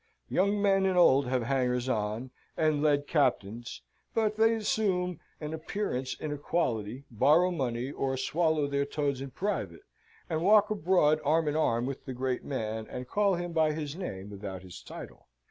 Young men and old have hangers on, and led captains, but they assume an appearance of equality, borrow money, or swallow their toads in private, and walk abroad arm in arm with the great man, and call him by his name without his title.